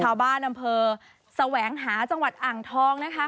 อำเภอแสวงหาจังหวัดอ่างทองนะคะ